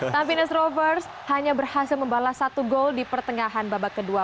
tampines rovers hanya berhasil membalas satu gol di pertengahan babak kedua